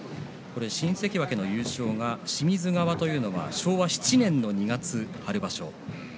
新関脇の優勝は清水川というのは昭和７年の春場所。